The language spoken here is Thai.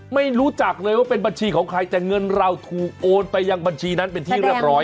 ไม่รู้จักเลยว่าเป็นบัญชีของใครแต่เงินเราถูกโอนไปยังบัญชีนั้นเป็นที่เรียบร้อย